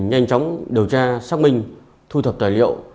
nhanh chóng điều tra xác minh thu thập tài liệu